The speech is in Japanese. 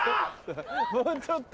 ・もうちょっと。